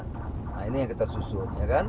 nah ini yang kita susun